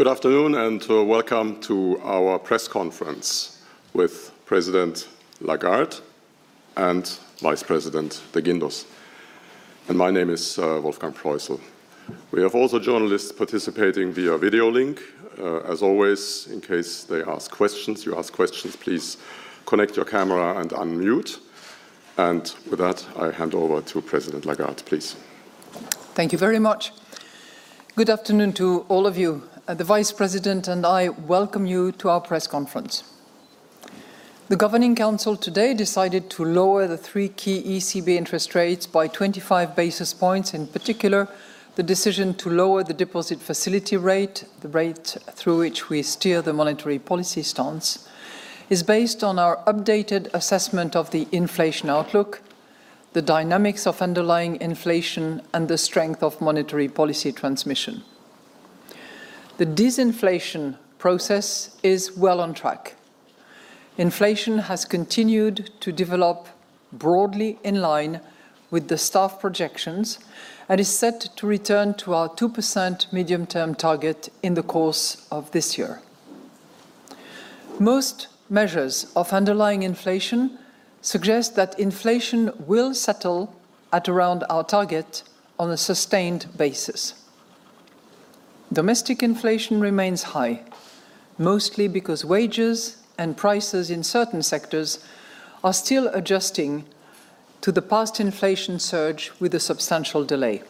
Good afternoon and welcome to our press conference with President Lagarde and Vice President de Guindos. And my name is Wolfgang Proissl. We have also journalists participating via video link. As always, in case they ask questions, you ask questions, please connect your camera and unmute. And with that, I hand over to President Lagarde, please. Thank you very much. Good afternoon to all of you. The Vice President and I welcome you to our press conference. The Governing Council today decided to lower the three key ECB interest rates by 25 basis points. In particular, the decision to lower the deposit facility rate, the rate through which we steer the monetary policy stance, is based on our updated assessment of the inflation outlook, the dynamics of underlying inflation, and the strength of monetary policy transmission. The disinflation process is well on track. Inflation has continued to develop broadly in line with the staff projections and is set to return to our 2% medium-term target in the course of this year. Most measures of underlying inflation suggest that inflation will settle at around our target on a sustained basis. Domestic inflation remains high, mostly because wages and prices in certain sectors are still adjusting to the past inflation surge with a substantial delay.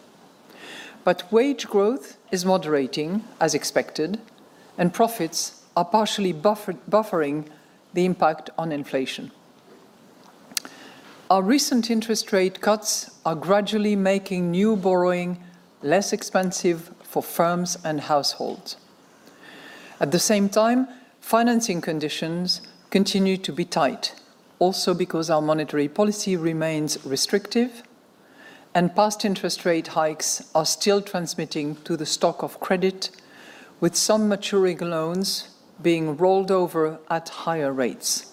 But wage growth is moderating, as expected, and profits are partially buffering the impact on inflation. Our recent interest rate cuts are gradually making new borrowing less expensive for firms and households. At the same time, financing conditions continue to be tight, also because our monetary policy remains restrictive, and past interest rate hikes are still transmitting to the stock of credit, with some maturing loans being rolled over at higher rates.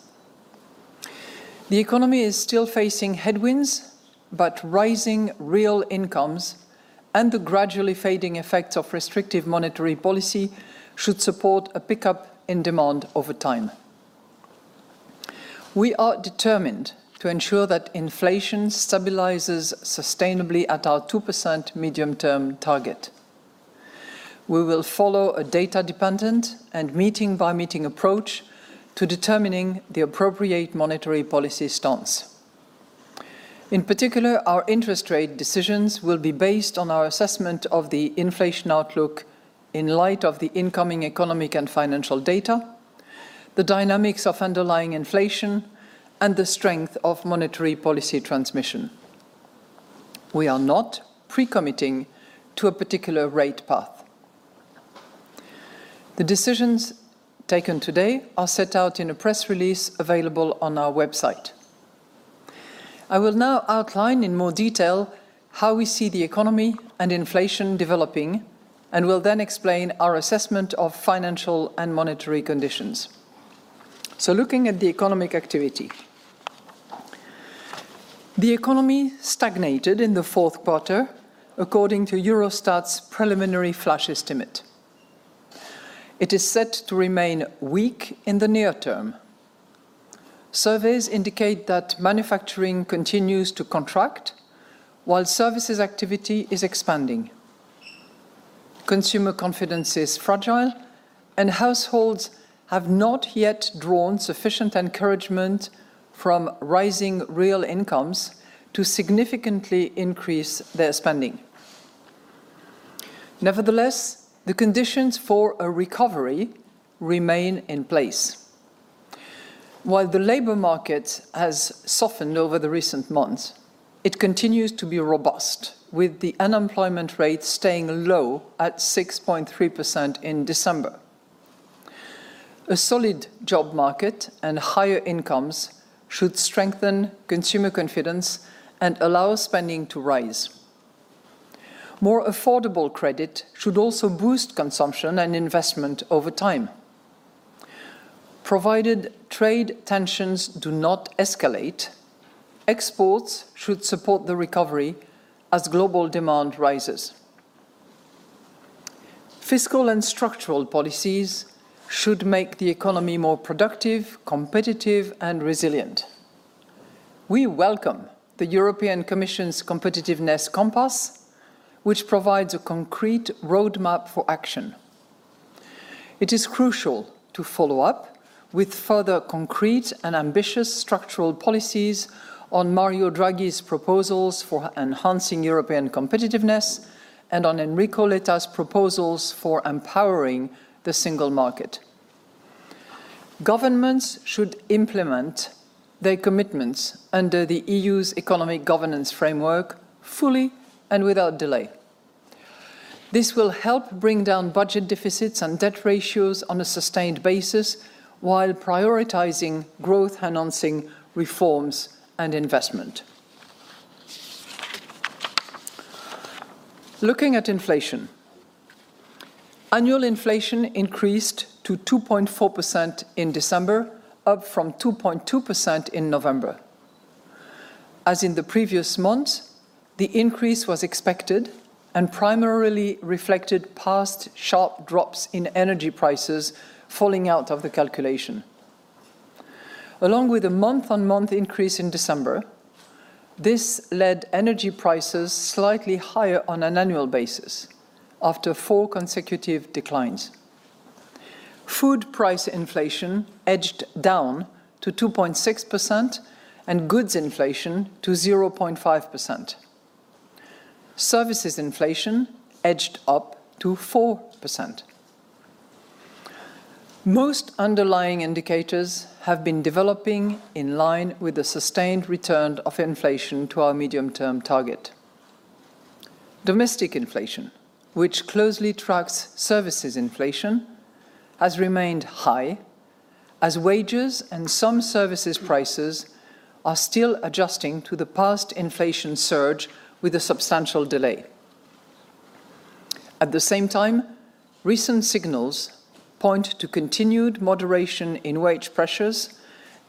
The economy is still facing headwinds, but rising real incomes and the gradually fading effects of restrictive monetary policy should support a pickup in demand over time. We are determined to ensure that inflation stabilizes sustainably at our 2% medium-term target. We will follow a data-dependent and meeting-by-meeting approach to determining the appropriate monetary policy stance. In particular, our interest rate decisions will be based on our assessment of the inflation outlook in light of the incoming economic and financial data, the dynamics of underlying inflation, and the strength of monetary policy transmission. We are not pre-committing to a particular rate path. The decisions taken today are set out in a press release available on our website. I will now outline in more detail how we see the economy and inflation developing, and will then explain our assessment of financial and monetary conditions. So, looking at the economic activity, the economy stagnated in the fourth quarter, according to Eurostat's preliminary flash estimate. It is set to remain weak in the near term. Surveys indicate that manufacturing continues to contract, while services activity is expanding. Consumer confidence is fragile, and households have not yet drawn sufficient encouragement from rising real incomes to significantly increase their spending. Nevertheless, the conditions for a recovery remain in place. While the labor market has softened over the recent months, it continues to be robust, with the unemployment rate staying low at 6.3% in December. A solid job market and higher incomes should strengthen consumer confidence and allow spending to rise. More affordable credit should also boost consumption and investment over time. Provided trade tensions do not escalate, exports should support the recovery as global demand rises. Fiscal and structural policies should make the economy more productive, competitive, and resilient. We welcome the European Commission's Competitiveness Compass, which provides a concrete roadmap for action. It is crucial to follow up with further concrete and ambitious structural policies on Mario Draghi's proposals for enhancing European competitiveness and on Enrico Letta's proposals for empowering the Single Market. Governments should implement their commitments under the EU's economic governance framework fully and without delay. This will help bring down budget deficits and debt ratios on a sustained basis while prioritizing growth, enhancing reforms, and investment. Looking at inflation, annual inflation increased to 2.4% in December, up from 2.2% in November. As in the previous months, the increase was expected and primarily reflected past sharp drops in energy prices falling out of the calculation. Along with a month-on-month increase in December, this led energy prices slightly higher on an annual basis after four consecutive declines. Food price inflation edged down to 2.6% and goods inflation to 0.5%. Services inflation edged up to 4%. Most underlying indicators have been developing in line with the sustained return of inflation to our medium-term target. Domestic inflation, which closely tracks services inflation, has remained high as wages and some services prices are still adjusting to the past inflation surge with a substantial delay. At the same time, recent signals point to continued moderation in wage pressures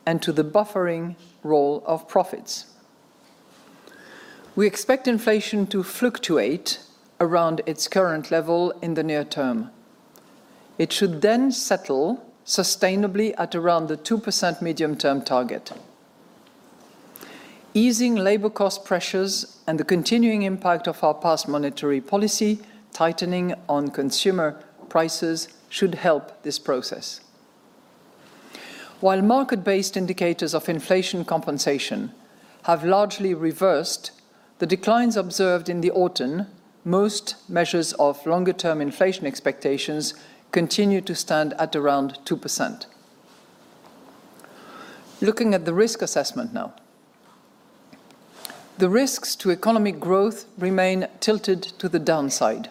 and to the buffering role of profits. We expect inflation to fluctuate around its current level in the near term. It should then settle sustainably at around the 2% medium-term target. Easing labor cost pressures and the continuing impact of our past monetary policy tightening on consumer prices should help this process. While market-based indicators of inflation compensation have largely reversed the declines observed in the autumn, most measures of longer-term inflation expectations continue to stand at around 2%. Looking at the risk assessment now, the risks to economic growth remain tilted to the downside.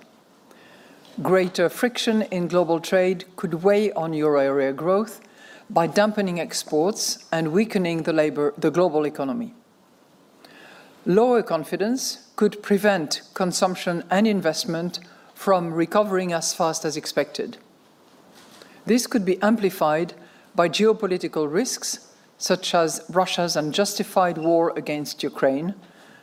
Greater friction in global trade could weigh on euro area growth by dampening exports and weakening the global economy. Lower confidence could prevent consumption and investment from recovering as fast as expected. This could be amplified by geopolitical risks such as Russia's unjustified war against Ukraine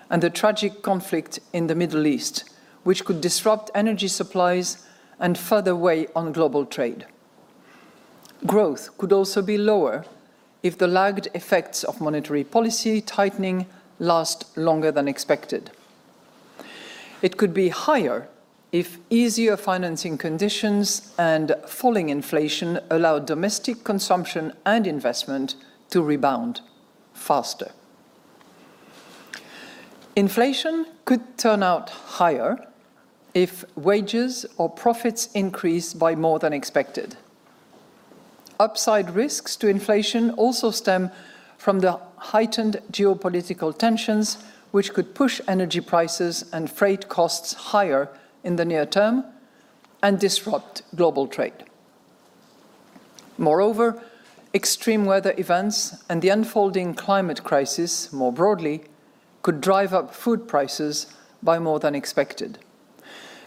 and the tragic conflict in the Middle East, which could disrupt energy supplies and further weigh on global trade. Growth could also be lower if the lagged effects of monetary policy tightening last longer than expected. It could be higher if easier financing conditions and falling inflation allow domestic consumption and investment to rebound faster. Inflation could turn out higher if wages or profits increase by more than expected. Upside risks to inflation also stem from the heightened geopolitical tensions, which could push energy prices and freight costs higher in the near term and disrupt global trade. Moreover, extreme weather events and the unfolding climate crisis more broadly could drive up food prices by more than expected.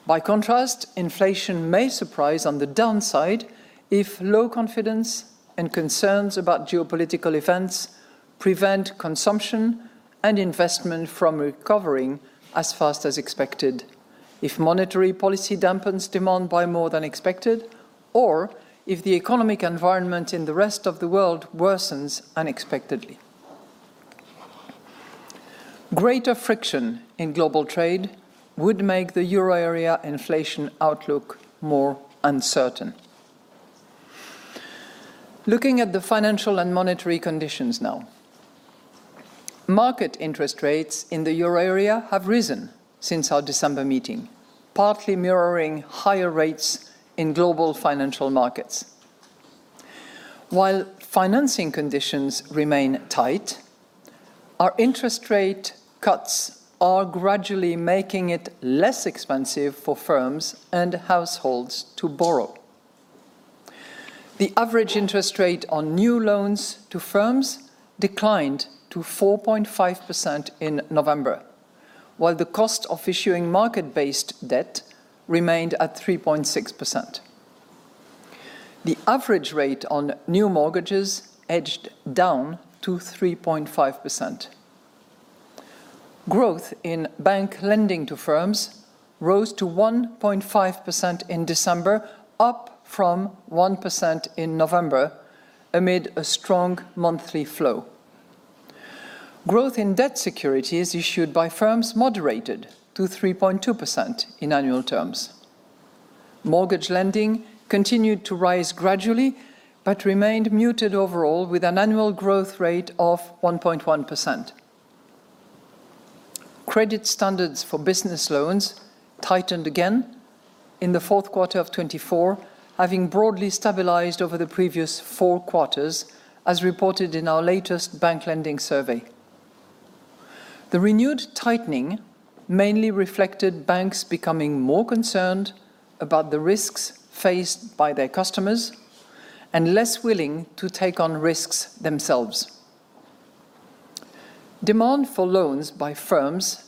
By contrast, inflation may surprise on the downside if low confidence and concerns about geopolitical events prevent consumption and investment from recovering as fast as expected, if monetary policy dampens demand by more than expected, or if the economic environment in the rest of the world worsens unexpectedly. Greater friction in global trade would make the Euro area inflation outlook more uncertain. Looking at the financial and monetary conditions now, market interest rates in the Euro area have risen since our December meeting, partly mirroring higher rates in global financial markets. While financing conditions remain tight, our interest rate cuts are gradually making it less expensive for firms and households to borrow. The average interest rate on new loans to firms declined to 4.5% in November, while the cost of issuing market-based debt remained at 3.6%. The average rate on new mortgages edged down to 3.5%. Growth in bank lending to firms rose to 1.5% in December, up from 1% in November amid a strong monthly flow. Growth in debt securities issued by firms moderated to 3.2% in annual terms. Mortgage lending continued to rise gradually but remained muted overall, with an annual growth rate of 1.1%. Credit standards for business loans tightened again in the fourth quarter of 2024, having broadly stabilized over the previous four quarters, as reported in our latest Bank Lending Survey. The renewed tightening mainly reflected banks becoming more concerned about the risks faced by their customers and less willing to take on risks themselves. Demand for loans by firms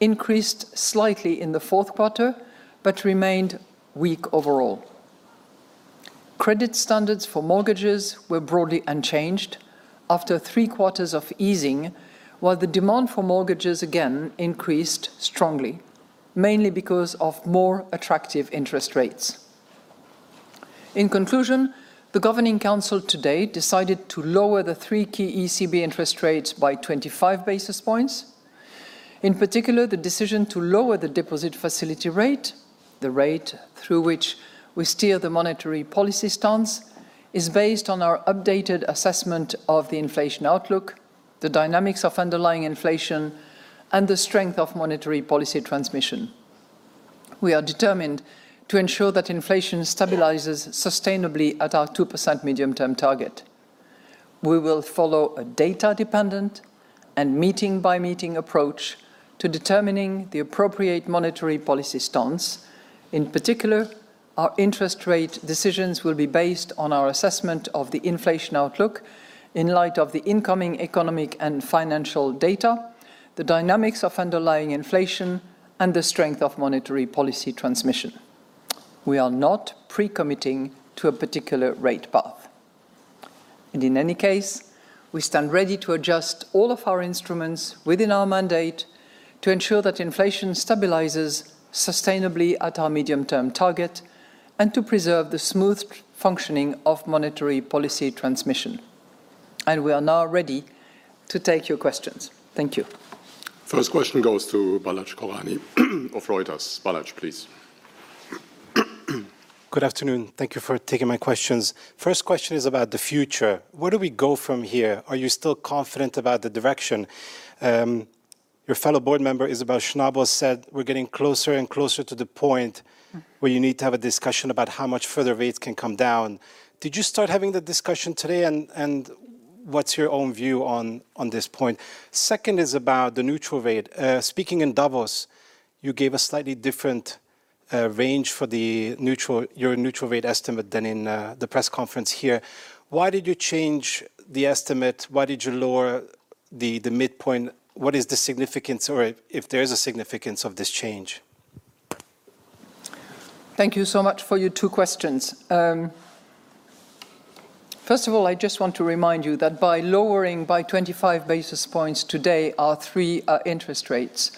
increased slightly in the fourth quarter but remained weak overall. Credit standards for mortgages were broadly unchanged after three quarters of easing, while the demand for mortgages again increased strongly, mainly because of more attractive interest rates. In conclusion, the Governing Council today decided to lower the three key ECB interest rates by 25 basis points. In particular, the decision to lower the deposit facility rate, the rate through which we steer the monetary policy stance, is based on our updated assessment of the inflation outlook, the dynamics of underlying inflation, and the strength of monetary policy transmission. We are determined to ensure that inflation stabilizes sustainably at our 2% medium-term target. We will follow a data-dependent and meeting-by-meeting approach to determining the appropriate monetary policy stance. In particular, our interest rate decisions will be based on our assessment of the inflation outlook in light of the incoming economic and financial data, the dynamics of underlying inflation, and the strength of monetary policy transmission. We are not pre-committing to a particular rate path. And in any case, we stand ready to adjust all of our instruments within our mandate to ensure that inflation stabilizes sustainably at our medium-term target and to preserve the smooth functioning of monetary policy transmission. And we are now ready to take your questions. Thank you. First question goes to Balazs Koranyi of Reuters. Balazs, please. Good afternoon. Thank you for taking my questions. First question is about the future. Where do we go from here? Are you still confident about the direction? Your fellow board member, Isabel Schnabel, said we're getting closer and closer to the point where you need to have a discussion about how much further rates can come down. Did you start having the discussion today, and what's your own view on this point? Second is about the neutral rate. Speaking in Davos, you gave a slightly different range for your neutral rate estimate than in the press conference here. Why did you change the estimate? Why did you lower the midpoint? What is the significance, or if there is a significance of this change? Thank you so much for your two questions. First of all, I just want to remind you that by lowering by 25 basis points today our three interest rates,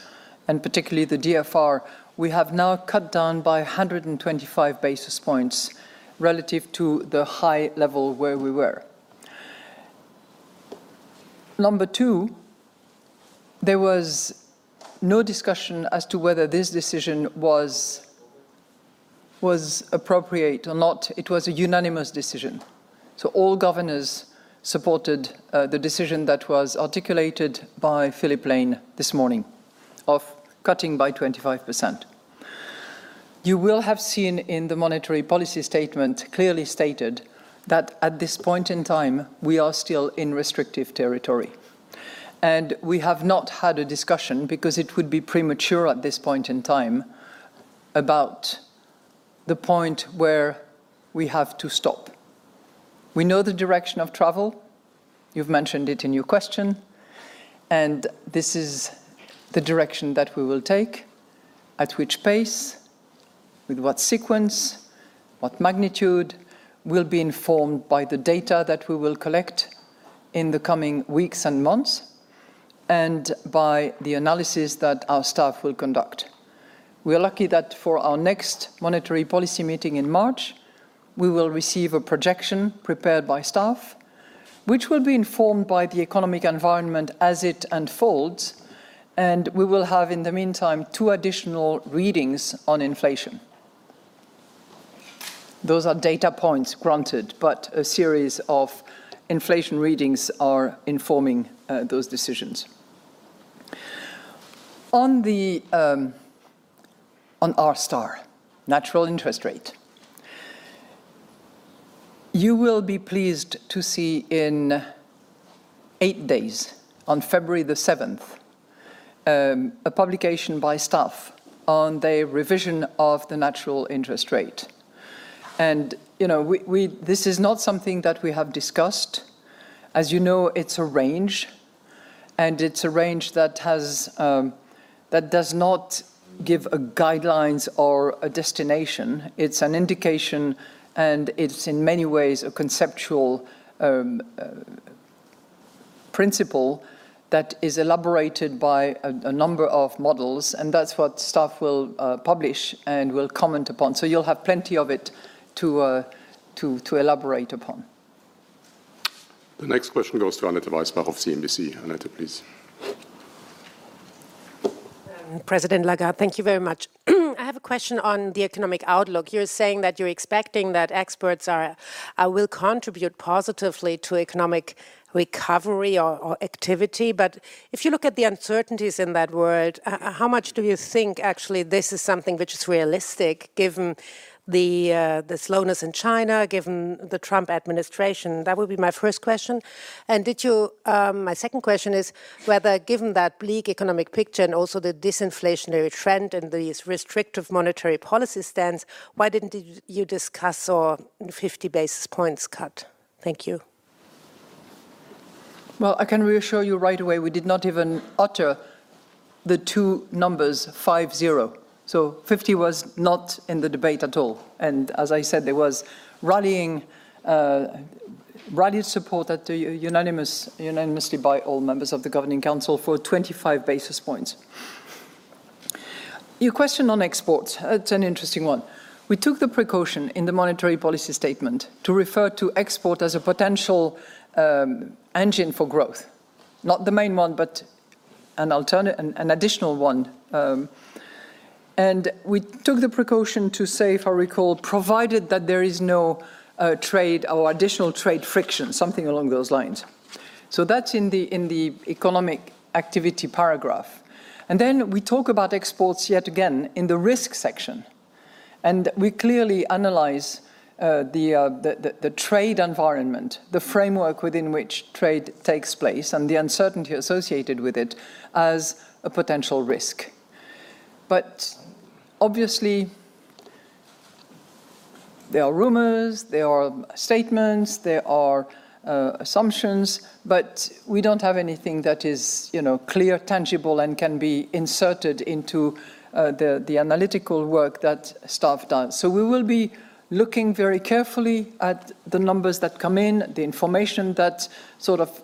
and particularly the DFR, we have now cut down by 125 basis points relative to the high level where we were. Number two, there was no discussion as to whether this decision was appropriate or not. It was a unanimous decision, so all governors supported the decision that was articulated by Philip Lane this morning of cutting by 25%. You will have seen in the monetary policy statement clearly stated that at this point in time, we are still in restrictive territory, and we have not had a discussion because it would be premature at this point in time about the point where we have to stop. We know the direction of travel. You've mentioned it in your question, and this is the direction that we will take, at which pace, with what sequence, what magnitude. We'll be informed by the data that we will collect in the coming weeks and months and by the analysis that our staff will conduct. We are lucky that for our next monetary policy meeting in March, we will receive a projection prepared by staff, which will be informed by the economic environment as it unfolds, and we will have, in the meantime, two additional readings on inflation. Those are data points, granted, but a series of inflation readings are informing those decisions. On our r-star, natural interest rate, you will be pleased to see in eight days, on February the 7th, a publication by staff on the revision of the natural interest rate, and this is not something that we have discussed. As you know, it's a range, and it's a range that does not give guidelines or a destination. It's an indication, and it's in many ways a conceptual principle that is elaborated by a number of models, and that's what staff will publish and will comment upon. So you'll have plenty of it to elaborate upon. The next question goes to Annette Weisbach of CNBC. Annette, please. President Lagarde, thank you very much. I have a question on the economic outlook. You're saying that you're expecting that exports will contribute positively to economic recovery or activity. But if you look at the uncertainties in that world, how much do you think actually this is something which is realistic given the slowness in China, given the Trump administration? That would be my first question. And my second question is whether, given that bleak economic picture and also the disinflationary trend and these restrictive monetary policy stance, why didn't you discuss a 50 basis points cut? Thank you. Well, I can reassure you right away, we did not even utter the two numbers 5-0. So 50 was not in the debate at all. As I said, there was rallying support unanimously by all members of the Governing Council for 25 basis points. Your question on exports, it's an interesting one. We took the precaution in the Monetary Policy Statement to refer to export as a potential engine for growth, not the main one, but an additional one. We took the precaution to say, if I recall, provided that there is no trade or additional trade friction, something along those lines. So that's in the economic activity paragraph. Then we talk about exports yet again in the risk section. We clearly analyze the trade environment, the framework within which trade takes place, and the uncertainty associated with it as a potential risk. But obviously, there are rumors, there are statements, there are assumptions, but we don't have anything that is clear, tangible, and can be inserted into the analytical work that staff does. So we will be looking very carefully at the numbers that come in, the information that sort of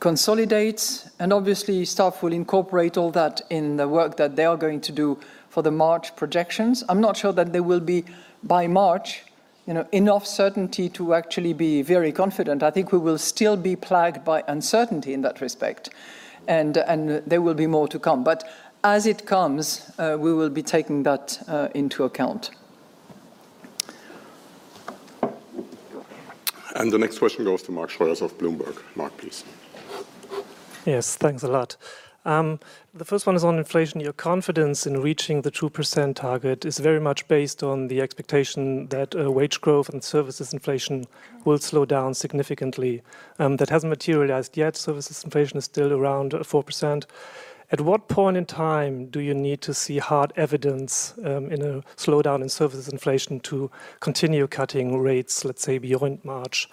consolidates. And obviously, staff will incorporate all that in the work that they are going to do for the March projections. I'm not sure that there will be, by March, enough certainty to actually be very confident. I think we will still be plagued by uncertainty in that respect. And there will be more to come. But as it comes, we will be taking that into account. And the next question goes to Mark Schroers of Bloomberg. Mark, please. Yes, thanks a lot. The first one is on inflation. Your confidence in reaching the 2% target is very much based on the expectation that wage growth and services inflation will slow down significantly. That hasn't materialized yet. Services inflation is still around 4%. At what point in time do you need to see hard evidence in a slowdown in services inflation to continue cutting rates, let's say, beyond March?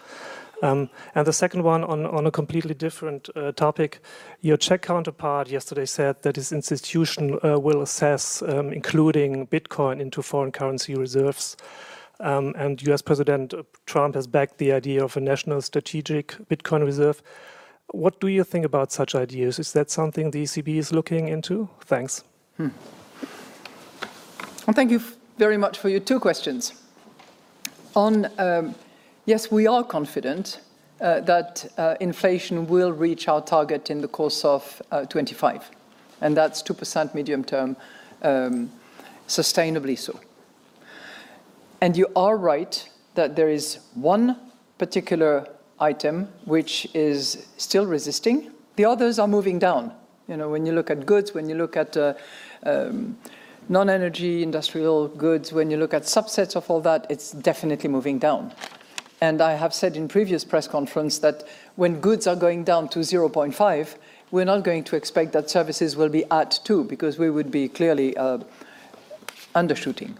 And the second one on a completely different topic. Your Czech counterpart yesterday said that his institution will assess, including Bitcoin, into foreign currency reserves. And U.S. President Trump has backed the idea of a national strategic Bitcoin reserve. What do you think about such ideas? Is that something the ECB is looking into? Thanks. Well, thank you very much for your two questions. Yes, we are confident that inflation will reach our target in the course of 2025, and that's 2% medium-term, sustainably so. And you are right that there is one particular item which is still resisting. The others are moving down. When you look at goods, when you look at non-energy industrial goods, when you look at subsets of all that, it's definitely moving down. And I have said in previous press conferences that when goods are going down to 0.5, we're not going to expect that services will be at 2 because we would be clearly undershooting.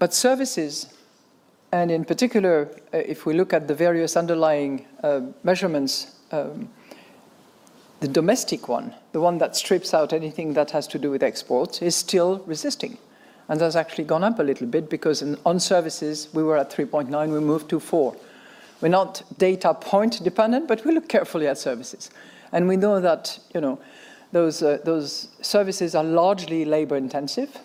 But services, and in particular, if we look at the various underlying measurements, the domestic one, the one that strips out anything that has to do with exports, is still resisting. And that's actually gone up a little bit because on services, we were at 3.9. We moved to 4. We're not data point dependent, but we look carefully at services. And we know that those services are largely labor-intensive,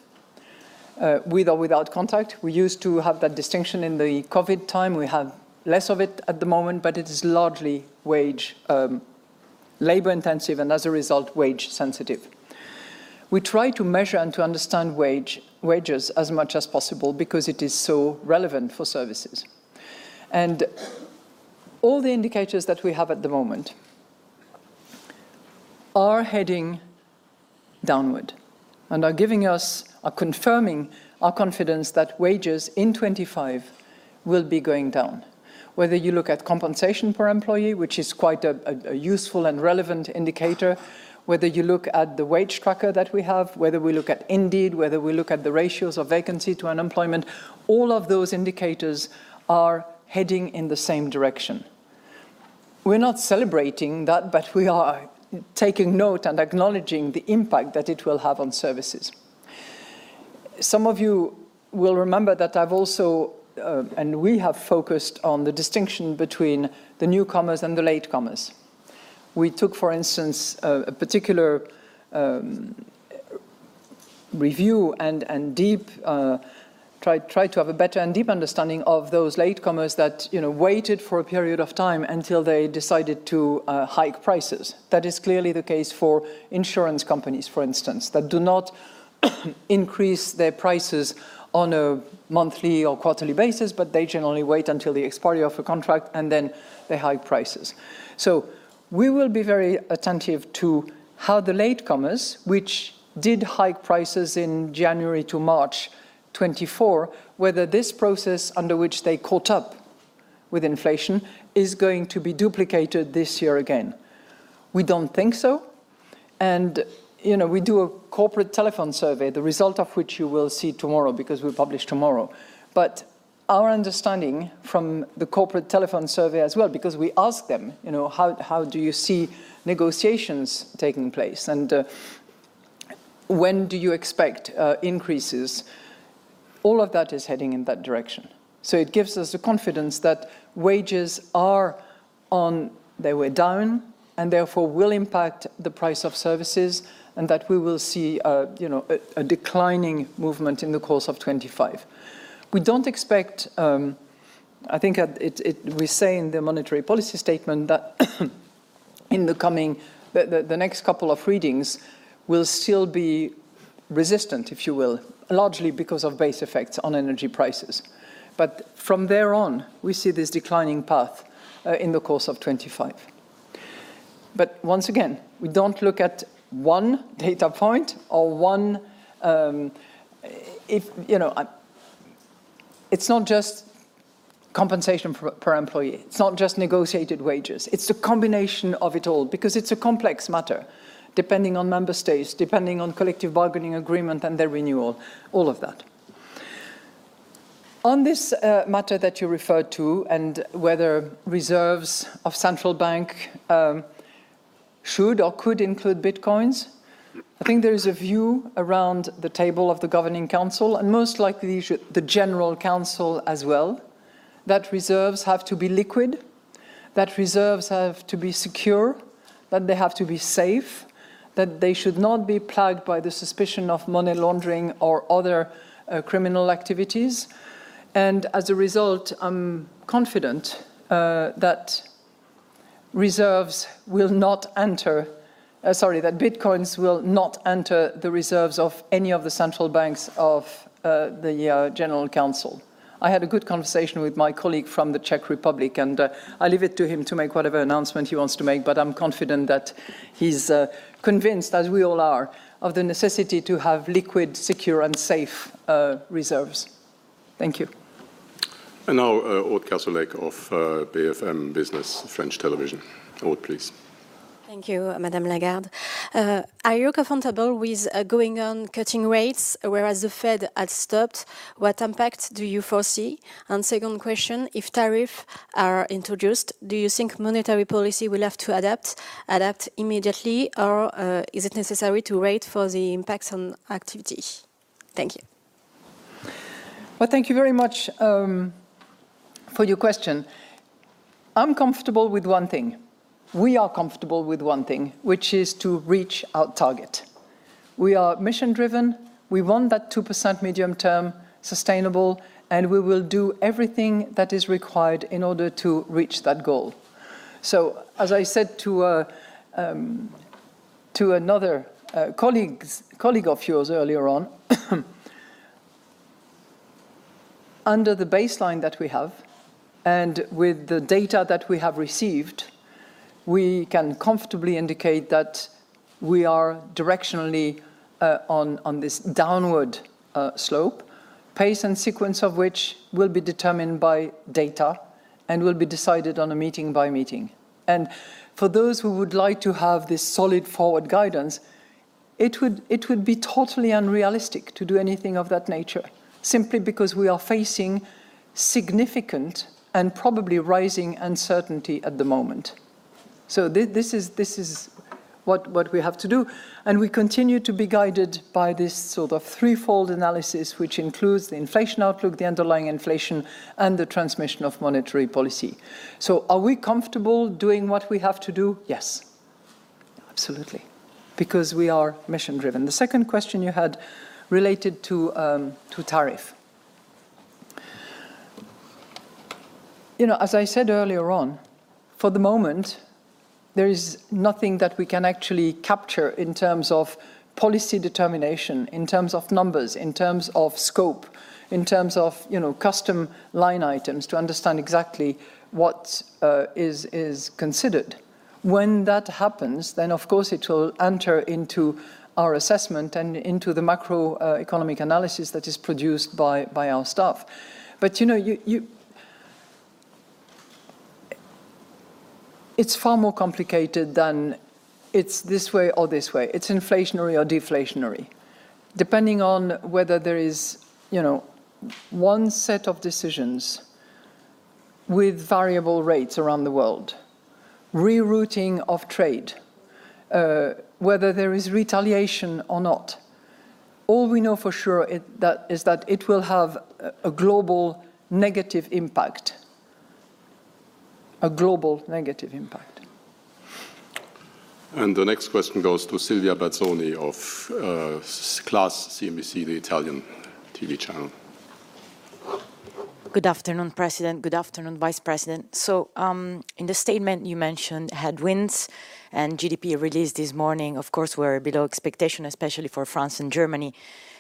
with or without contact. We used to have that distinction in the COVID time. We have less of it at the moment, but it is largely labor-intensive and, as a result, wage-sensitive. We try to measure and to understand wages as much as possible because it is so relevant for services, and all the indicators that we have at the moment are heading downward and are confirming our confidence that wages in 2025 will be going down. Whether you look at compensation per employee, which is quite a useful and relevant indicator, whether you look at the wage tracker that we have, whether we look at Indeed, whether we look at the ratios of vacancy to unemployment, all of those indicators are heading in the same direction. We're not celebrating that, but we are taking note and acknowledging the impact that it will have on services. Some of you will remember that I've also, and we have focused on the distinction between the newcomers and the latecomers. We took, for instance, a particular review and tried to have a better and deeper understanding of those latecomers that waited for a period of time until they decided to hike prices. That is clearly the case for insurance companies, for instance, that do not increase their prices on a monthly or quarterly basis, but they generally wait until the expiry of a contract, and then they hike prices. So we will be very attentive to how the latecomers, which did hike prices in January to March 2024, whether this process under which they caught up with inflation is going to be duplicated this year again. We don't think so. And we do a corporate telephone survey, the result of which you will see tomorrow because we publish tomorrow. But our understanding from the corporate telephone survey as well, because we ask them, how do you see negotiations taking place? And when do you expect increases? All of that is heading in that direction. So it gives us the confidence that wages are on their way down and therefore will impact the price of services and that we will see a declining movement in the course of 2025. We don't expect, I think we say in the monetary policy statement that in the coming, the next couple of readings will still be resistant, if you will, largely because of base effects on energy prices. But from there on, we see this declining path in the course of 2025. But once again, we don't look at one data point or one, it's not just compensation per employee. It's not just negotiated wages. It's the combination of it all because it's a complex matter, depending on member states, depending on collective bargaining agreement and their renewal, all of that. On this matter that you referred to and whether reserves of central bank should or could include bitcoins, I think there is a view around the table of the Governing Council and most likely the General Council as well that reserves have to be liquid, that reserves have to be secure, that they have to be safe, that they should not be plagued by the suspicion of money laundering or other criminal activities. And as a result, I'm confident that reserves will not enter, sorry, that bitcoins will not enter the reserves of any of the central banks of the General Council. I had a good conversation with my colleague from the Czech Republic, and I leave it to him to make whatever announcement he wants to make, but I'm confident that he's convinced, as we all are, of the necessity to have liquid, secure, and safe reserves. Thank you. And now, Ole Gulsvik of BFM Business, French television. Ole, please. Thank you, Madame Lagarde. Are you comfortable with going on cutting rates, whereas the Fed has stopped? What impact do you foresee? And second question, if tariffs are introduced, do you think monetary policy will have to adapt immediately, or is it necessary to wait for the impacts on activity? Thank you. Well, thank you very much for your question. I'm comfortable with one thing. We are comfortable with one thing, which is to reach our target. We are mission-driven. We want that 2% medium-term sustainable, and we will do everything that is required in order to reach that goal. So, as I said to another colleague of yours earlier on, under the baseline that we have and with the data that we have received, we can comfortably indicate that we are directionally on this downward slope, pace and sequence of which will be determined by data and will be decided on a meeting-by-meeting basis, and for those who would like to have this solid forward guidance, it would be totally unrealistic to do anything of that nature simply because we are facing significant and probably rising uncertainty at the moment, so this is what we have to do, and we continue to be guided by this sort of threefold analysis, which includes the inflation outlook, the underlying inflation, and the transmission of monetary policy. So are we comfortable doing what we have to do? Yes, absolutely, because we are mission-driven. The second question you had related to tariff. As I said earlier on, for the moment, there is nothing that we can actually capture in terms of policy determination, in terms of numbers, in terms of scope, in terms of customs line items to understand exactly what is considered. When that happens, then, of course, it will enter into our assessment and into the macroeconomic analysis that is produced by our staff. But it's far more complicated than it's this way or this way. It's inflationary or deflationary, depending on whether there is one set of decisions with variable rates around the world, rerouting of trade, whether there is retaliation or not. All we know for sure is that it will have a global negative impact, a global negative impact. And the next question goes to Silvia Berzoni of Class CNBC, the Italian TV channel. Good afternoon, President. Good afternoon, Vice President. So in the statement you mentioned, headwinds and GDP released this morning, of course, were below expectation, especially for France and Germany.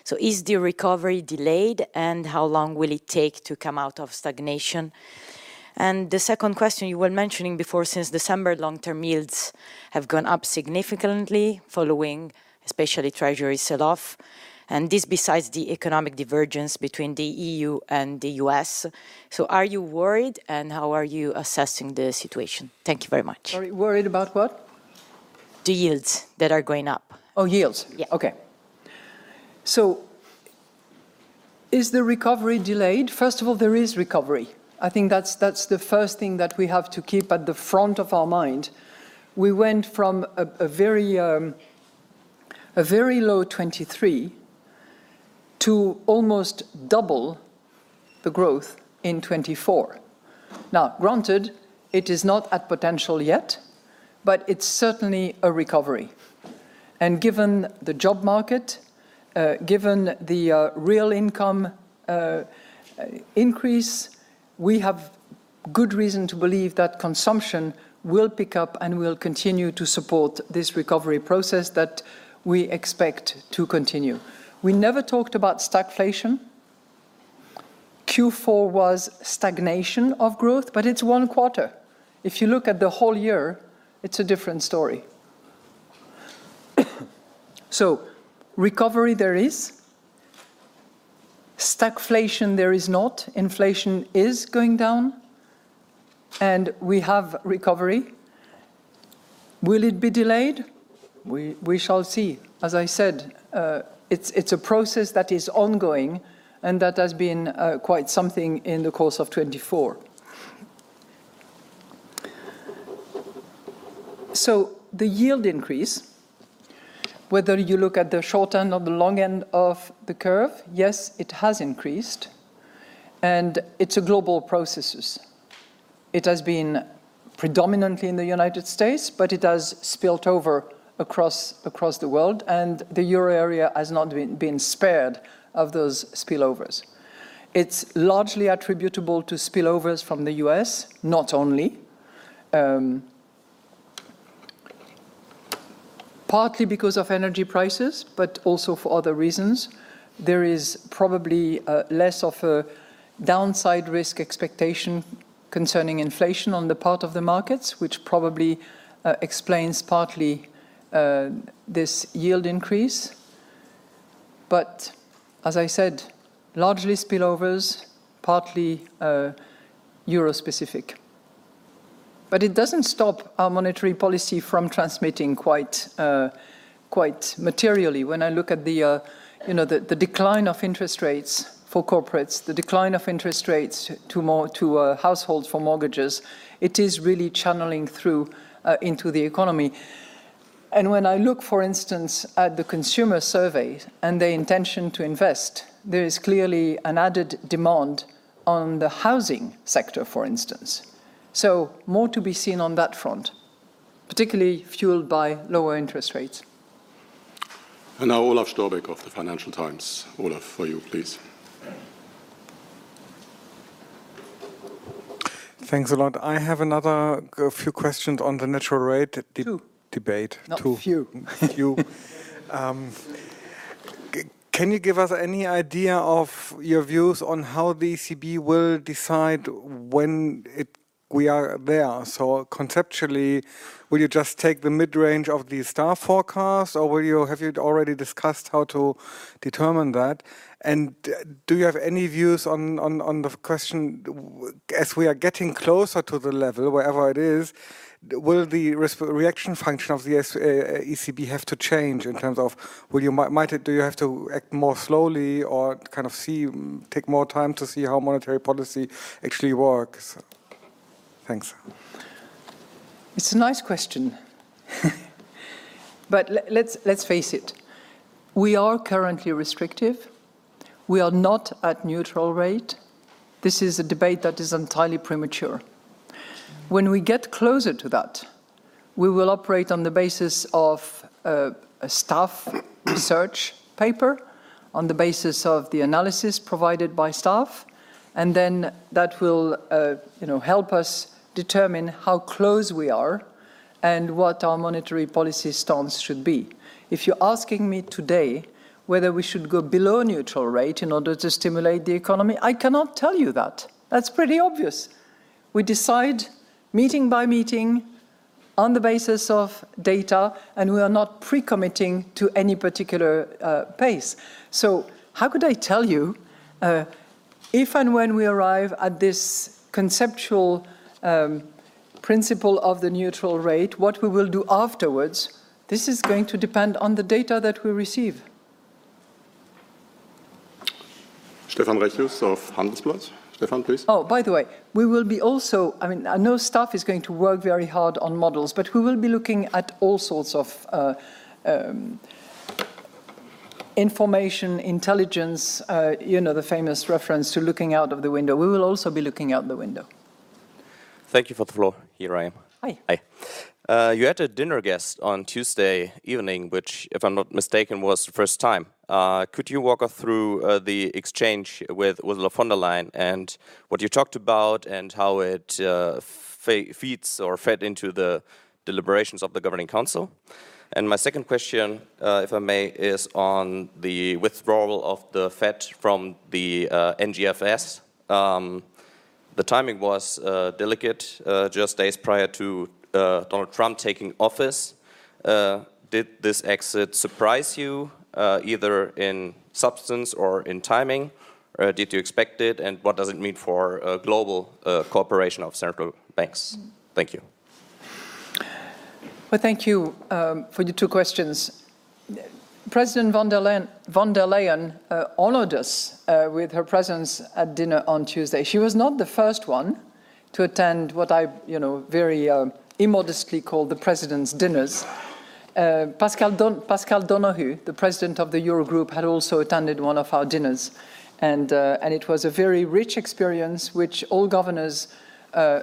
So is the recovery delayed? And how long will it take to come out of stagnation? And the second question you were mentioning before, since December, long-term yields have gone up significantly following, especially Treasury selloff. And this besides the economic divergence between the EU and the U.S. So are you worried? And how are you assessing the situation? Thank you very much. Worried about what? The yields that are going up. Oh, yields. Yeah. Okay. So is the recovery delayed? First of all, there is recovery. I think that's the first thing that we have to keep at the front of our mind. We went from a very low 2023 to almost double the growth in 2024. Now, granted, it is not at potential yet, but it's certainly a recovery, and given the job market, given the real income increase, we have good reason to believe that consumption will pick up and will continue to support this recovery process that we expect to continue. We never talked about stagflation. Q4 was stagnation of growth, but it's one quarter. If you look at the whole year, it's a different story, so recovery there is. Stagflation there is not. Inflation is going down, and we have recovery. Will it be delayed? We shall see. As I said, it's a process that is ongoing and that has been quite something in the course of 2024. So the yield increase, whether you look at the short end or the long end of the curve, yes, it has increased. And it's a global process. It has been predominantly in the United States, but it has spilled over across the world. And the Euro area has not been spared of those spillovers. It's largely attributable to spillovers from the U.S., not only partly because of energy prices, but also for other reasons. There is probably less of a downside risk expectation concerning inflation on the part of the markets, which probably explains partly this yield increase. But as I said, largely spillovers, partly euro-specific. But it doesn't stop our monetary policy from transmitting quite materially. When I look at the decline of interest rates for corporates, the decline of interest rates to households for mortgages, it is really channeling through into the economy. When I look, for instance, at the consumer survey and the intention to invest, there is clearly an added demand on the housing sector, for instance. More to be seen on that front, particularly fueled by lower interest rates. Now, Olaf Storbeck, Financial Times. Olaf, for you, please. Thanks a lot. I have another few questions on the natural rate debate. Not a few. Can you give us any idea of your views on how the ECB will decide when we are there? Conceptually, will you just take the mid-range of the staff forecast, or have you already discussed how to determine that? Do you have any views on the question as we are getting closer to the level, wherever it is, will the reaction function of the ECB have to change in terms of do you have to act more slowly or kind of take more time to see how monetary policy actually works? Thanks. It's a nice question. Let's face it. We are currently restrictive. We are not at neutral rate. This is a debate that is entirely premature. When we get closer to that, we will operate on the basis of a staff research paper, on the basis of the analysis provided by staff. Then that will help us determine how close we are and what our monetary policy stance should be. If you're asking me today whether we should go below neutral rate in order to stimulate the economy, I cannot tell you that. That's pretty obvious. We decide meeting by meeting on the basis of data, and we are not pre-committing to any particular pace. So how could I tell you if and when we arrive at this conceptual principle of the neutral rate, what we will do afterwards? This is going to depend on the data that we receive. Stefan Reccius of Handelsblatt. Stefan, please. Oh, by the way, we will be also, I mean, I know staff is going to work very hard on models, but we will be looking at all sorts of information, intelligence, the famous reference to looking out of the window. We will also be looking out the window. Thank you for the floor. Here I am. Hi. Hi. You had a dinner guest on Tuesday evening, which, if I'm not mistaken, was the first time. Could you walk us through the exchange with Ursula von der Leyen and what you talked about and how it feeds or fed into the deliberations of the Governing Council? And my second question, if I may, is on the withdrawal of the Fed from the NGFS. The timing was delicate just days prior to Donald Trump taking office. Did this exit surprise you either in substance or in timing? Did you expect it? And what does it mean for global cooperation of central banks? Thank you. Thank you for the two questions. President von der Leyen honored us with her presence at dinner on Tuesday. She was not the first one to attend what I very immodestly call the President's dinners. Paschal Donohoe, the president of the Eurogroup, had also attended one of our dinners. And it was a very rich experience, which all governors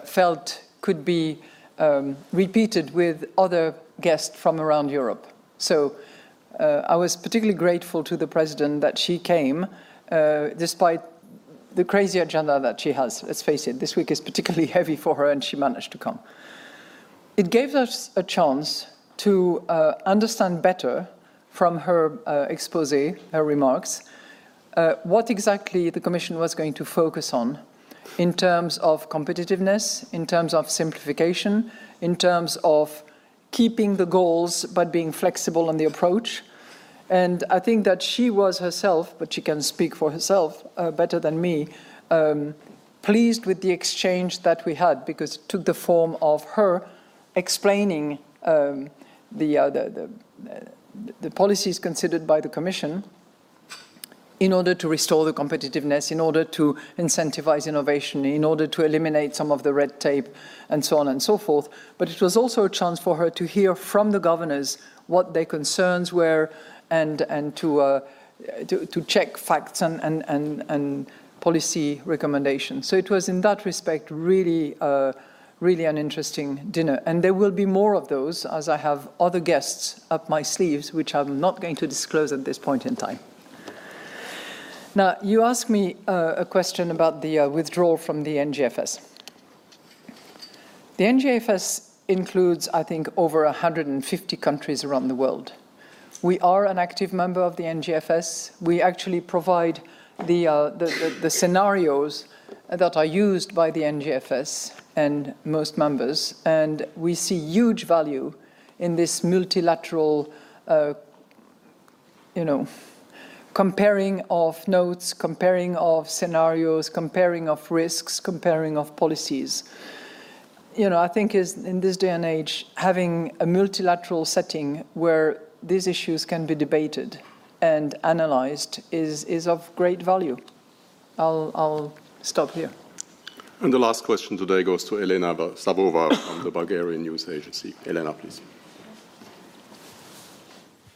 felt could be repeated with other guests from around Europe. So I was particularly grateful to the president that she came, despite the crazy agenda that she has. Let's face it, this week is particularly heavy for her, and she managed to come. It gave us a chance to understand better from her exposé, her remarks, what exactly the Commission was going to focus on in terms of competitiveness, in terms of simplification, in terms of keeping the goals but being flexible on the approach. I think that she was herself, but she can speak for herself better than me, pleased with the exchange that we had because it took the form of her explaining the policies considered by the Commission in order to restore the competitiveness, in order to incentivize innovation, in order to eliminate some of the red tape, and so on and so forth. But it was also a chance for her to hear from the governors what their concerns were and to check facts and policy recommendations. So it was, in that respect, really an interesting dinner. And there will be more of those, as I have other guests up my sleeves, which I'm not going to disclose at this point in time. Now, you asked me a question about the withdrawal from the NGFS. The NGFS includes, I think, over 150 countries around the world. We are an active member of the NGFS. We actually provide the scenarios that are used by the NGFS and most members. And we see huge value in this multilateral comparing of notes, comparing of scenarios, comparing of risks, comparing of policies. I think in this day and age, having a multilateral setting where these issues can be debated and analyzed is of great value. I'll stop here. And the last question today goes to Elena Vasileva from the Bulgarian News Agency. Elena, please.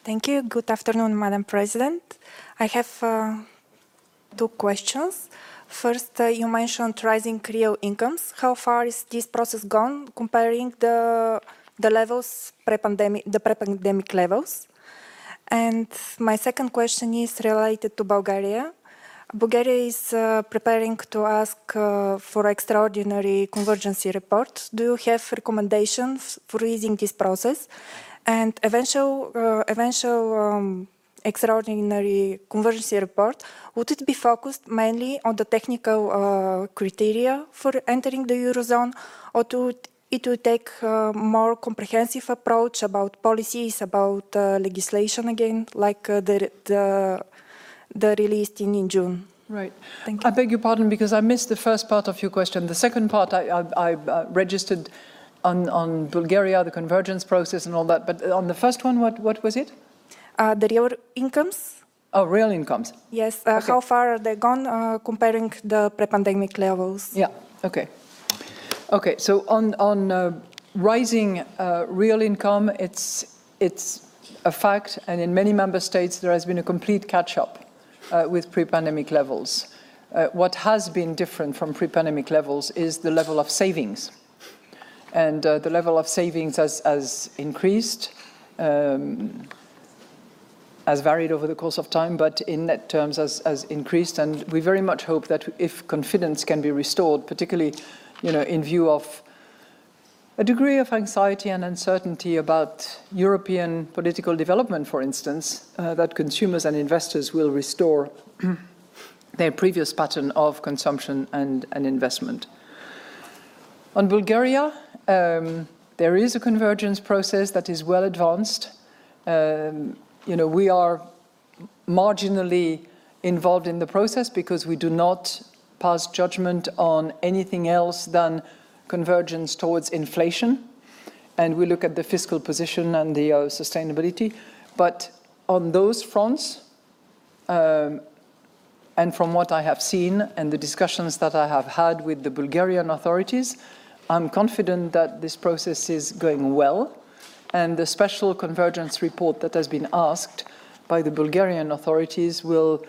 Thank you. Good afternoon, Madam President. I have two questions. First, you mentioned rising real incomes. How far is this process gone comparing the pre-pandemic levels? And my second question is related to Bulgaria. Bulgaria is preparing to ask for extraordinary convergence reports. Do you have recommendations for easing this process? An eventual extraordinary convergence report, would it be focused mainly on the technical criteria for entering the eurozone, or would it take a more comprehensive approach about policies, about legislation again, like the release in June? Right. Thank you. I beg your pardon because I missed the first part of your question. The second part, I registered on Bulgaria, the convergence process and all that. But on the first one, what was it? The real incomes? Oh, real incomes. Yes. How far are they gone comparing the pre-pandemic levels? So on rising real income, it's a fact. And in many member states, there has been a complete catch-up with pre-pandemic levels. What has been different from pre-pandemic levels is the level of savings. And the level of savings has increased, has varied over the course of time, but in net terms has increased. And we very much hope that if confidence can be restored, particularly in view of a degree of anxiety and uncertainty about European political development, for instance, that consumers and investors will restore their previous pattern of consumption and investment. On Bulgaria, there is a convergence process that is well advanced. We are marginally involved in the process because we do not pass judgment on anything else than convergence towards inflation. And we look at the fiscal position and the sustainability. But on those fronts, and from what I have seen and the discussions that I have had with the Bulgarian authorities, I'm confident that this process is going well. And the special convergence report that has been asked by the Bulgarian authorities will,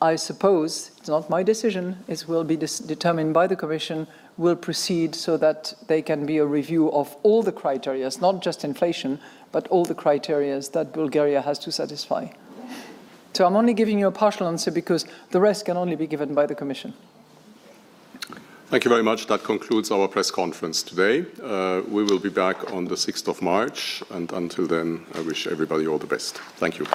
I suppose, it's not my decision, it will be determined by the Commission, will proceed so that there can be a review of all the criteria, not just inflation, but all the criteria that Bulgaria has to satisfy. So I'm only giving you a partial answer because the rest can only be given by the Commission. Thank you very much. That concludes our press conference today. We will be back on the 6th of March. And until then, I wish everybody all the best. Thank you.